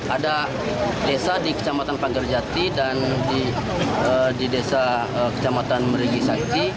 ada desa di kecamatan pagerjati dan di desa kecamatan merigi sakti